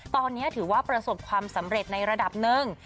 ตอนนี้ถือว่าประสบความสำเร็จในระดับหนึ่ง